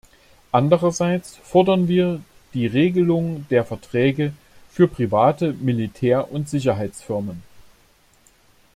Andererseits fordern wir die Regelung der Verträge für private Militär- und Sicherheitsfirmen.